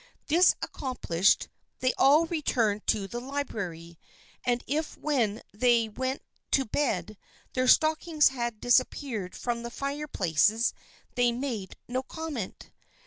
This accom plished, they all returned to the library, and if when they went to bed their stockings had disap peared from the fireplaces they made no comment.